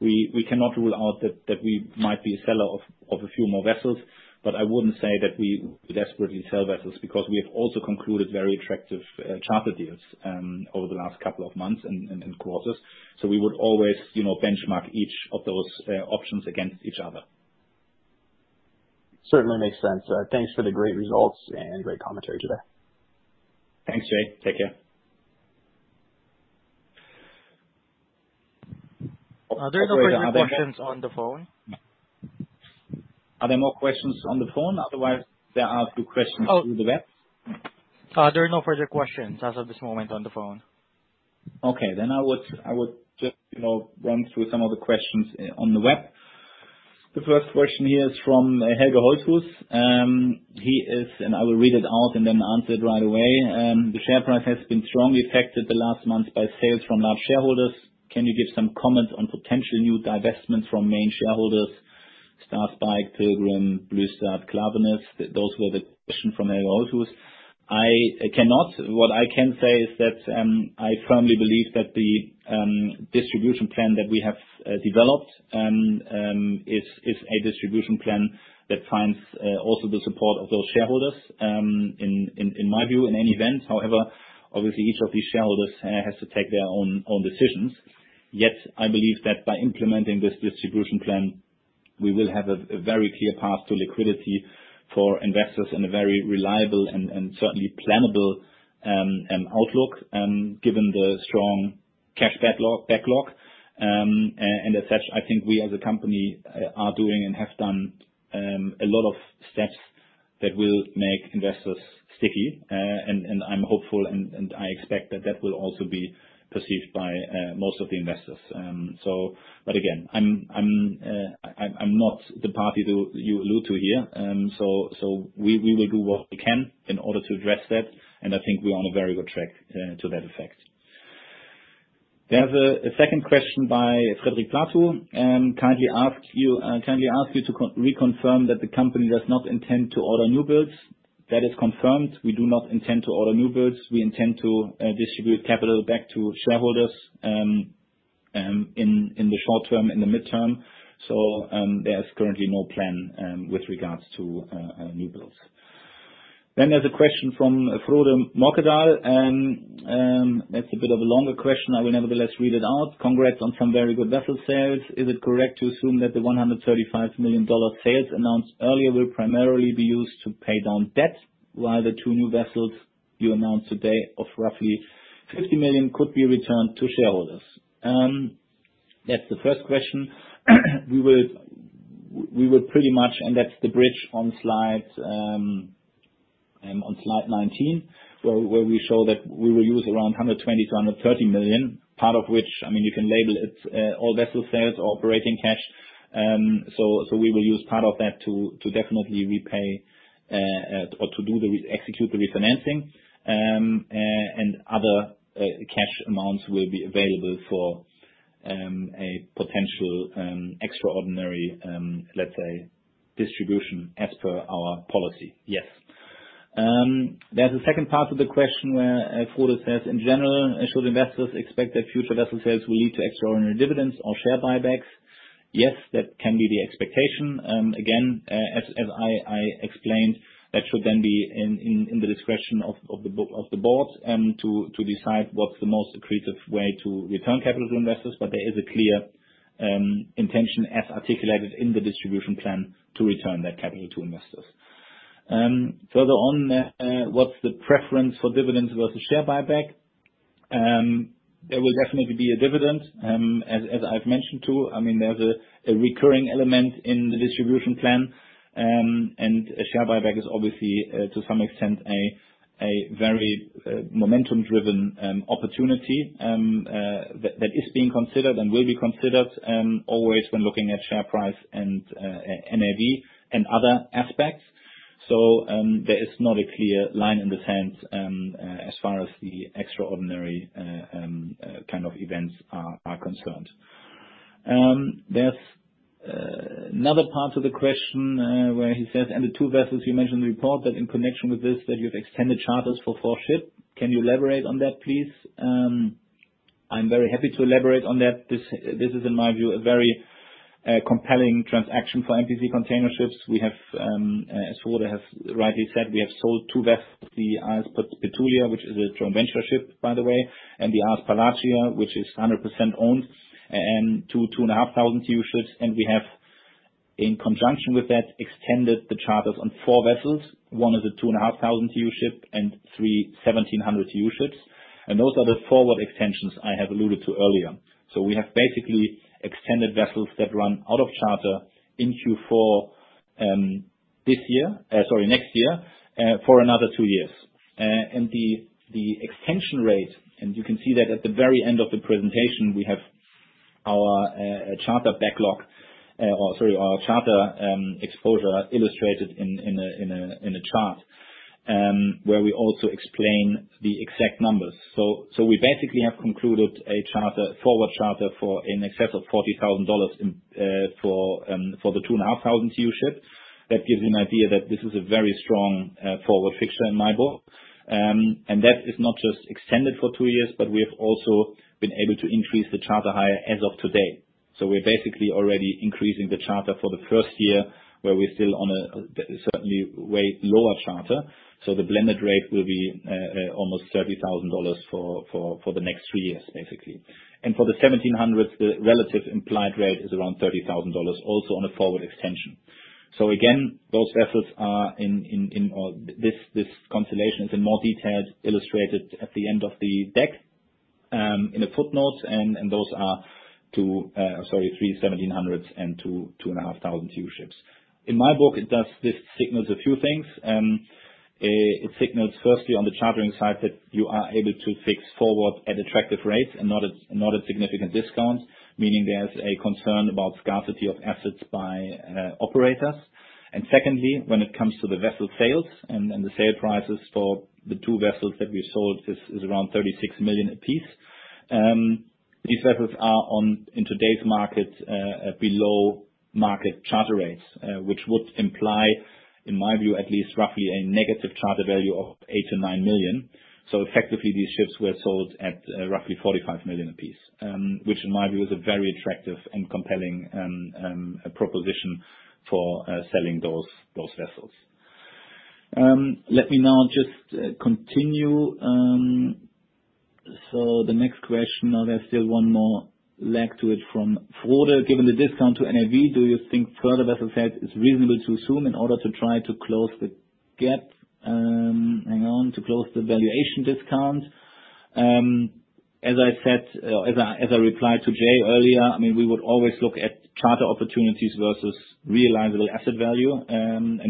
We cannot rule out that we might be a seller of a few more vessels, but I wouldn't say that we desperately sell vessels because we have also concluded very attractive charter deals over the last couple of months and quarters. We would always, you know, benchmark each of those options against each other. Certainly makes sense. Thanks for the great results and great commentary today. Thanks, J. Take care. Are there no further questions on the phone? Are there more questions on the phone? Otherwise, there are a few questions through the web. There are no further questions as of this moment on the phone. Okay. I would just, you know, run through some of the questions on the web. The first question here is from Helge Leiro Baastad. He is, and I will read it out and then answer it right away. The share price has been strongly affected the last month by sales from large shareholders. Can you give some comment on potential new divestments from main shareholders, Star Spike, Pilgrim, Bluestar, Klaveness? Those were the question from Helge Leiro Baastad. I cannot. What I can say is that I firmly believe that the distribution plan that we have developed is a distribution plan that finds also the support of those shareholders, in my view, in any event. However, obviously each of these shareholders has to take their own decisions. Yet, I believe that by implementing this distribution plan, we will have a very clear path to liquidity for investors in a very reliable and certainly plannable outlook, given the strong cash backlog. As such, I think we, as a company, are doing and have done a lot of steps that will make investors sticky. I'm hopeful, and I expect that will also be perceived by most of the investors. But again, I'm not the party that you allude to here. We will do what we can in order to address that, and I think we're on a very good track to that effect. There's a second question by Fredrik Platou, kindly ask you to reconfirm that the company does not intend to order new builds. That is confirmed. We do not intend to order new builds. We intend to distribute capital back to shareholders in the short term, in the midterm. There is currently no plan with regards to new builds. There's a question from Frode Mørkedal, and that's a bit of a longer question. I will nevertheless read it out. Congrats on some very good vessel sales. Is it correct to assume that the $135 million sales announced earlier will primarily be used to pay down debt, while the two new vessels you announced today of roughly $50 million could be returned to shareholders? That's the first question. We will pretty much. That's the bridge on slide 19, where we show that we will use around $120 million-$130 million, part of which, I mean, you can label it all vessel sales or operating cash. We will use part of that to definitely repay or to execute the refinancing. Other cash amounts will be available for a potential extraordinary, let's say, distribution as per our policy. Yes. There's a second part of the question where Frode says, in general, should investors expect that future vessel sales will lead to extraordinary dividends or share buybacks? Yes, that can be the expectation. Again, as I explained, that should then be in the discretion of the Board to decide what's the most accretive way to return capital to investors. There is a clear intention as articulated in the distribution plan to return that capital to investors. Further on, what's the preference for dividends versus share buyback? There will definitely be a dividend, as I've mentioned to. I mean, there's a recurring element in the distribution plan, and a share buyback is obviously to some extent a very momentum-driven opportunity that is being considered and will be considered always when looking at share price and NAV and other aspects. There is not a clear line in the sand as far as the extraordinary kind of events are concerned. There's another part of the question where he says, and the two vessels you mentioned in the report, that in connection with this, that you've extended charters for four ships. Can you elaborate on that, please? I'm very happy to elaborate on that. This is, in my view, a very compelling transaction for MPC Container Ships. We have, as Frode has rightly said, we have sold two vessels, the AS Petulia, which is a joint venture ship, by the way, and the AS Palatia, which is 100% owned, and 2,500 TEU ships. We have, in conjunction with that, extended the charters on four vessels. One is a 2,500 TEU ship and 3 1,700 TEU ships. Those are the forward extensions I have alluded to earlier. We have basically extended vessels that run out of charter in Q4, this year, sorry, next year, for another two years. The extension rate, and you can see that at the very end of the presentation, we have our charter backlog, or sorry, our charter exposure illustrated in a chart, where we also explain the exact numbers. We basically have concluded a charter, forward charter for in excess of $40,000 for the 2,500 TEU ship. That gives you an idea that this is a very strong forward fixture in my book. That is not just extended for two years, but we have also been able to increase the charter hire as of today. We're basically already increasing the charter for the first year, where we're still on a certainly way lower charter. The blended rate will be almost $30,000 for the next two years, basically. For the 1,700s, the relative implied rate is around $30,000 also on a forward extension. Again, those vessels are in this. This constellation is in more detail illustrated at the end of the deck in the footnotes, and those are three 1,700s and two 2,500 TEU ships. In my book, this signals a few things. It signals firstly on the chartering side that you are able to fix forward at attractive rates and not a significant discount, meaning there's a concern about scarcity of assets by operators. Secondly, when it comes to the vessel sales and the sale prices for the two vessels that we sold is around $36 million apiece. These vessels are, in today's market, at below market charter rates, which would imply, in my view, at least roughly a negative charter value of $8 million-$9 million. Effectively, these ships were sold at roughly $45 million apiece, which in my view is a very attractive and compelling proposition for selling those vessels. Let me now just continue. The next question, now there's still one more left to it from Frode. Given the discount to NAV, do you think further vessel sales is reasonable to assume in order to try to close the gap to close the valuation discount? As I said, as I replied to Jay earlier, I mean, we would always look at charter opportunities versus realizable asset value.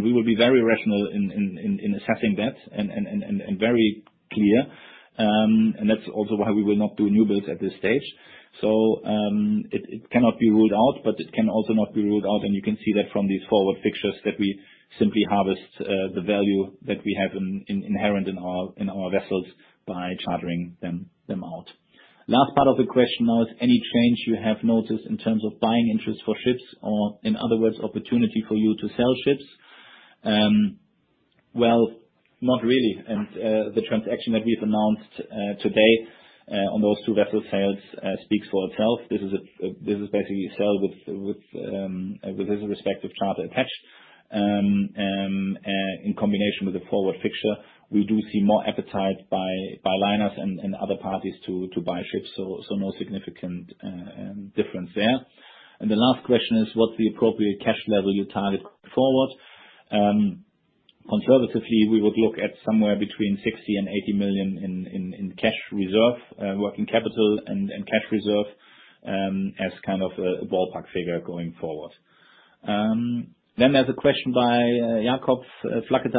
We will be very rational in assessing that and very clear. That's also why we will not do new builds at this stage. It cannot be ruled out, but it can also not be ruled out, and you can see that from these forward fixtures that we simply harvest the value that we have inherent in our vessels by chartering them out. Last part of the question now: Is any change you have noticed in terms of buying interest for ships, or in other words, opportunity for you to sell ships? Well, not really. The transaction that we've announced today on those two vessel sales speaks for itself. This is basically a sale with this respective charter attached. In combination with the forward fixture, we do see more appetite by liners and other parties to buy ships, so no significant difference there. The last question is what's the appropriate cash level you target forward? Conservatively, we would look at somewhere between $60 million-$80 million in cash reserve, working capital and cash reserve, as kind of a ballpark figure going forward. There's a question by Jakob Fløtr.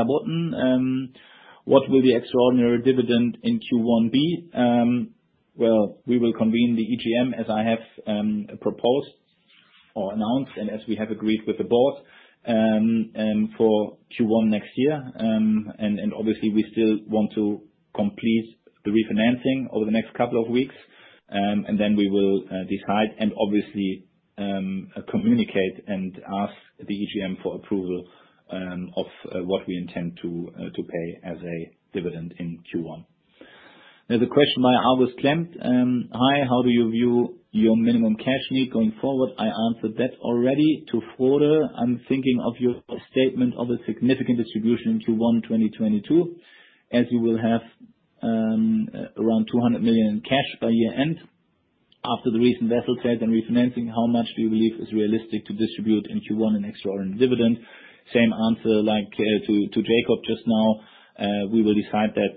What will the extraordinary dividend in Q1 be? Well, we will convene the EGM, as I have proposed or announced, and as we have agreed with the board, for Q1 next year. Obviously we still want to complete the refinancing over the next couple of weeks, and then we will decide and obviously communicate and ask the EGM for approval, of what we intend to pay as a dividend in Q1. There's a question by August Klemp. Hi, how do you view your minimum cash need going forward? I answered that already. To Frode, I'm thinking of your statement of a significant distribution in Q1 2022, as you will have around $200 million in cash by year-end. After the recent vessel sales and refinancing, how much do you believe is realistic to distribute in Q1 in extraordinary dividend? Same answer like to Jacob just now. We will decide that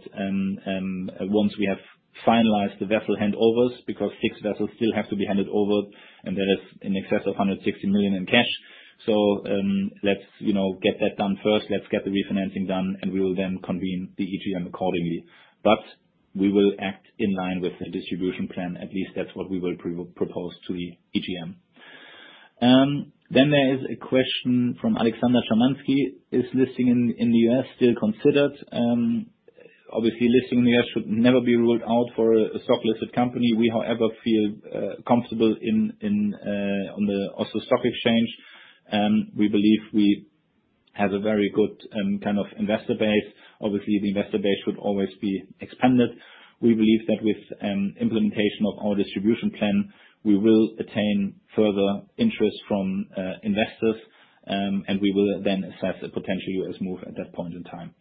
once we have finalized the vessel handovers, because six vessels still have to be handed over, and that is in excess of $160 million in cash. Let's, you know, get that done first. Let's get the refinancing done, and we will then convene the EGM accordingly. We will act in line with the distribution plan. At least that's what we will propose to the EGM. There is a question from Alexander Shamansky. Is listing in the U.S. still considered? Obviously, listing in the U.S. should never be ruled out for a stock-listed company. We, however, feel comfortable on the Oslo Stock Exchange. We believe we have a very good kind of investor base. Obviously, the investor base should always be expanded. We believe that with implementation of our distribution plan, we will attain further interest from investors, and we will then assess a potential U.S. move at that point in time.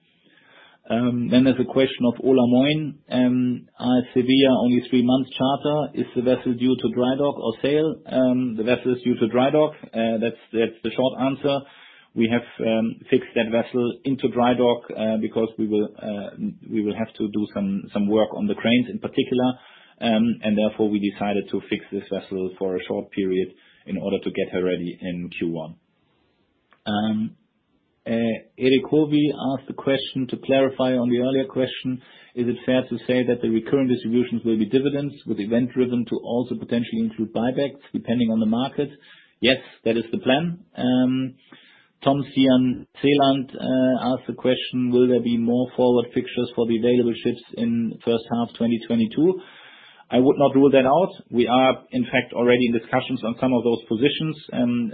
There's a question of John A. Schjølberg Olaisen. AS Sevilla only three months charter, is the vessel due to dry dock or sale? The vessel is due to dry dock. That's the short answer. We have fixed that vessel into dry dock because we will have to do some work on the cranes in particular, and therefore we decided to fix this vessel for a short period in order to get her ready in Q1. Erik Håvik asked a question to clarify on the earlier question. Is it fair to say that the recurrent distributions will be dividends, with event-driven to also potentially include buybacks, depending on the market? Yes, that is the plan. Tom Sian Sealand asked a question: Will there be more forward fixtures for the available ships in the first half of 2022? I would not rule that out. We are, in fact, already in discussions on some of those positions.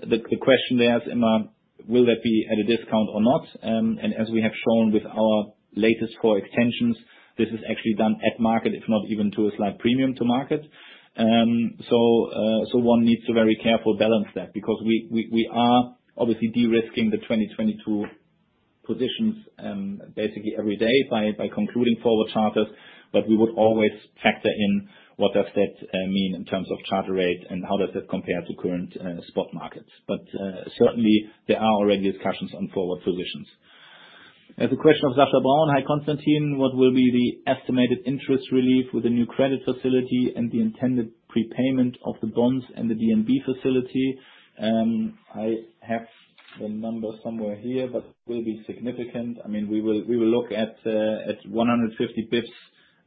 The question there, Emma, will that be at a discount or not? As we have shown with our latest four extensions, this is actually done at market, if not even to a slight premium to market. One needs to be very careful to balance that because we are obviously de-risking the 2022 positions, basically every day by concluding forward charters, but we would always factor in what does that mean in terms of charter rates and how does it compare to current spot markets. Certainly there are already discussions on forward positions. There's a question of Sascha Braun. Hi, Constantin. What will be the estimated interest relief with the new credit facility and the intended prepayment of the bonds and the DNB facility? I have the number somewhere here, but it will be significant. I mean, we will look at 150 basis points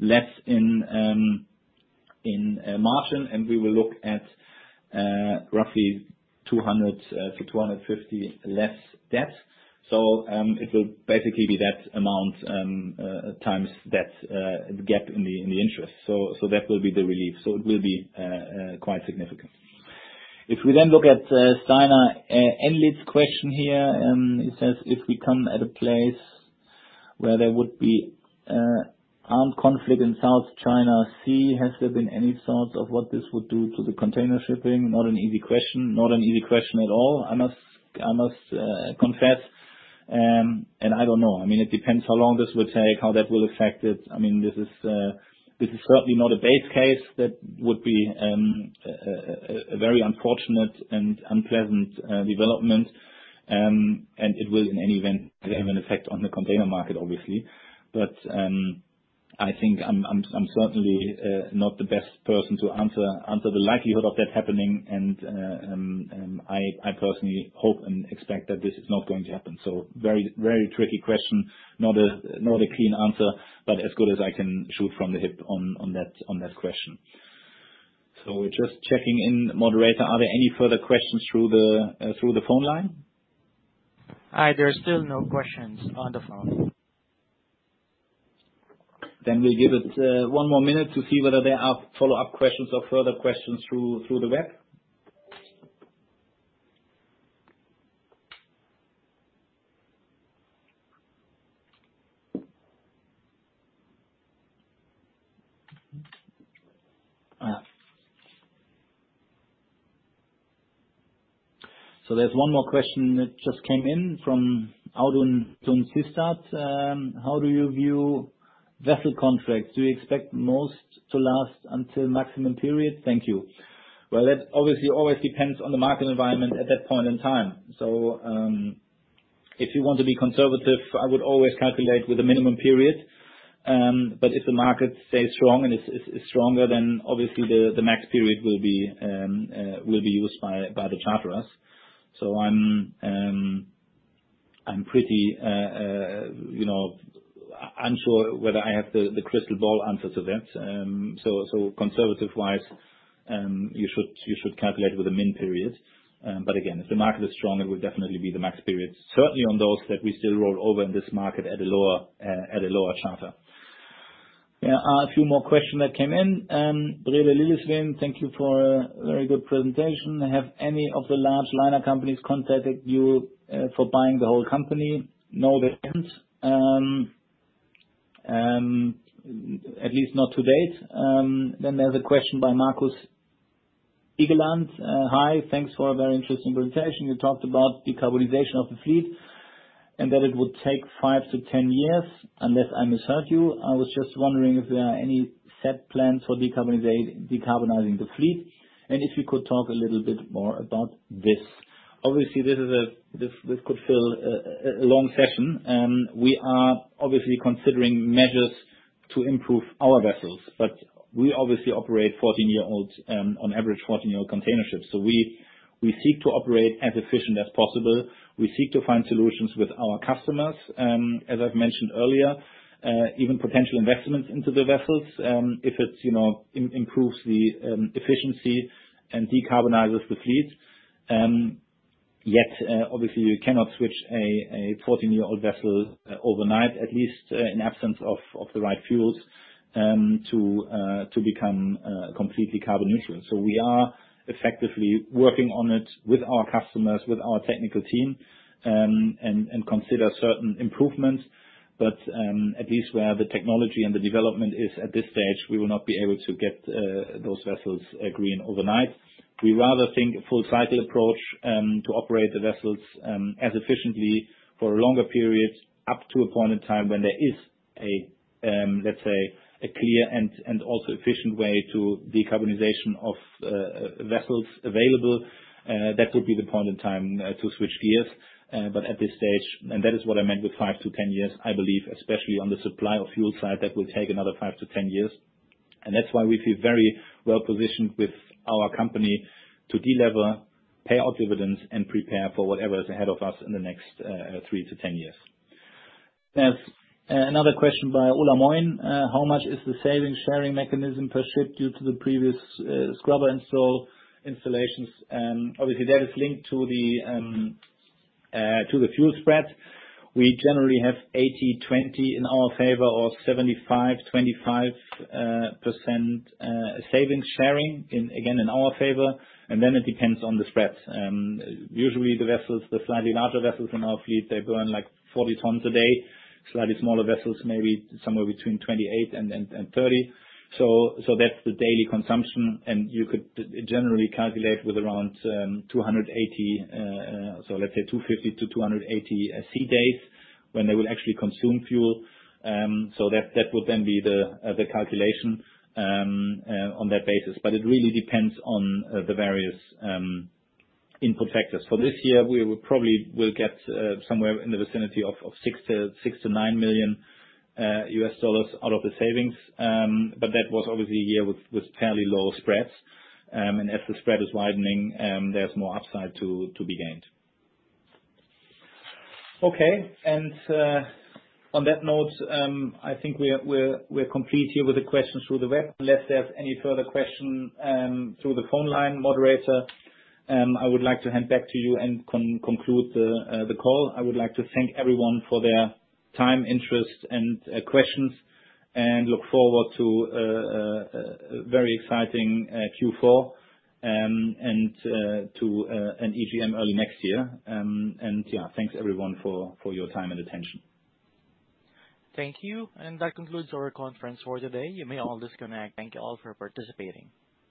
less in margin, and we will look at roughly 200-250 less debt. It will basically be that amount times that gap in the interest. That will be the relief. It will be quite significant. If we then look at Steinar Endlich's question here, it says, "If we come to a place where there would be armed conflict in South China Sea. Has there been any thoughts of what this would do to the container shipping?" Not an easy question at all. I must confess, and I don't know. I mean, it depends how long this will take, how that will affect it. I mean, this is certainly not a base case. That would be a very unfortunate and unpleasant development. It will, in any event, have an effect on the container market, obviously. I think I'm certainly not the best person to answer the likelihood of that happening. I personally hope and expect that this is not going to happen. Very, very tricky question. Not a clean answer, but as good as I can shoot from the hip on that question. We're just checking in. Moderator, are there any further questions through the phone line? There are still no questions on the phone. We'll give it one more minute to see whether there are follow-up questions or further questions through the web. There's one more question that just came in from Audun Tungesvik. How do you view vessel contracts? Do you expect most to last until maximum period? Thank you. Well, that obviously always depends on the market environment at that point in time. If you want to be conservative, I would always calculate with a minimum period. But if the market stays strong and is stronger, then obviously the max period will be used by the charterers. I'm pretty, you know. I'm unsure whether I have the crystal ball answer to that. Conservative-wise, you should calculate with a min period. Again, if the market is strong, it will definitely be the max period. Certainly on those that we still roll over in this market at a lower charter. There are a few more questions that came in. Brede Lilleslåtten, thank you for a very good presentation. Have any of the large liner companies contacted you for buying the whole company? No, they haven't. At least not to date. There's a question by Markus Næss. Hi. Thanks for a very interesting presentation. You talked about decarbonization of the fleet, and that it would take five to 10 years, unless I misheard you. I was just wondering if there are any set plans for decarbonizing the fleet, and if you could talk a little bit more about this. Obviously, this is a... This could fill a long session. We are obviously considering measures to improve our vessels, but we obviously operate 14-year-olds on average 14-year-old container ships. We seek to operate as efficient as possible. We seek to find solutions with our customers. As I've mentioned earlier, even potential investments into the vessels, if it's, you know, improves the efficiency and decarbonizes the fleet. Yet, obviously we cannot switch a 14-year-old vessel overnight, at least in absence of the right fuels to become completely carbon neutral. We are effectively working on it with our customers, with our technical team, and consider certain improvements. At least where the technology and the development is at this stage, we will not be able to get those vessels green overnight. We rather think a full cycle approach to operate the vessels as efficiently for longer periods up to a point in time when there is a let's say, a clear and also efficient way to decarbonization of vessels available. That would be the point in time to switch gears. At this stage, and that is what I meant with five to 10 years, I believe, especially on the supply of fuel side, that will take another five to 10 years. That's why we feel very well-positioned with our company to de-lever, pay our dividends, and prepare for whatever is ahead of us in the next three to 10 years. There's another question by John A. Schjølberg Olaisen. How much is the saving sharing mechanism per ship due to the previous scrubber installations? Obviously, that is linked to the fuel spread. We generally have 80/20 in our favor or 75/25 percent savings sharing in our favor. Then it depends on the spread. Usually the vessels, the slightly larger vessels in our fleet, they burn like 40 tons per day. Slightly smaller vessels, maybe somewhere between 28 and 30 tons per day. That's the daily consumption. You could generally calculate with around 250 to 280 sea days when they will actually consume fuel. That would then be the calculation on that basis. It really depends on the various input factors. For this year, we will probably get somewhere in the vicinity of $6 million-$9 million out of the savings. That was obviously a year with fairly low spreads. As the spread is widening, there's more upside to be gained. Okay. On that note, I think we're complete here with the questions through the web. Unless there's any further question through the phone line, moderator, I would like to hand back to you and conclude the call. I would like to thank everyone for their time, interest, and questions and look forward to a very exciting Q4 and to an EGM early next year. Yeah, thanks everyone for your time and attention. Thank you. That concludes our conference for today. You may all disconnect. Thank you all for participating.